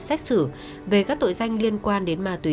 và những người đang chờ xét xử về các tội danh liên quan đến ma túy